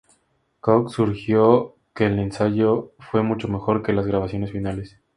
Cox sugirió que el ensayo fue "mucho mejor que las grabaciones finales".